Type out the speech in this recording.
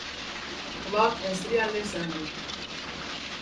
فڵان ئێستریان لێ ساندووە